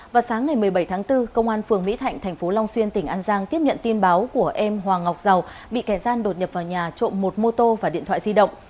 vào sáng ngày một mươi bảy tháng bốn công an phường mỹ thạnh thành phố long xuyên tỉnh an giang tiếp nhận tin báo của em hoàng ngọc dầu bị kẻ gian đột nhập vào nhà trộm một mô tô và điện thoại di động